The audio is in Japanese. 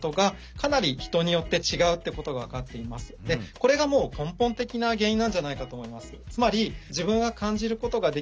これがもう根本的な原因なんじゃないかと思います。